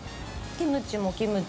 キムチはキムチ？